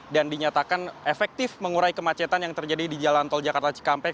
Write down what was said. dan dinyatakan efektif mengurai kemacetan yang terjadi di jalan tol jakarta cikampek